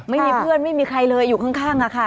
ไม่มีเพื่อนไม่มีใครเลยอยู่ข้างอะค่ะ